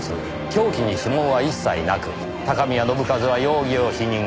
凶器に指紋は一切なく高宮信一は容疑を否認。